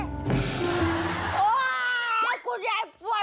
โอ๊ยอ้าวคุณยายปวดหัว